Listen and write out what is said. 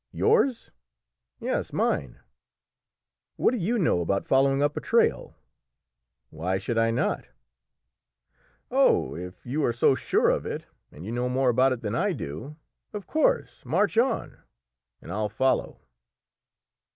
"Yours?" "Yes, mine." "What do you know about following up a trail?" "Why should not I?" "Oh, if you are so sure of it, and you know more about it than I do, of course march on, and I'll follow!"